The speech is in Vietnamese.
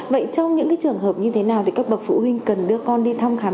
vậy trong những cái trường hợp như thế nào thì các bậc phụ huynh cần đưa con đi thăm